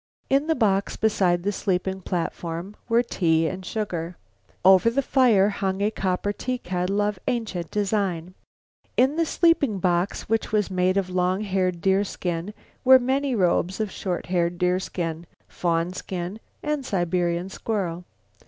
In the box beside the sleeping platform were tea and sugar. Over the fire hung a copper teakettle of ancient design. In the sleeping box, which was made of long haired deerskins, were many robes of short haired deerskin, fawn skin and Siberian squirrel.